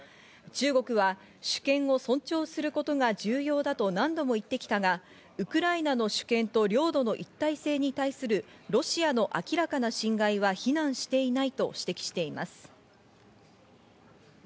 中国は主権を尊重することが重要だと何度も言ってきたが、ウクライナの主権と領土の一体性に対するロシアの明らかな侵害は非難していないと指摘しています。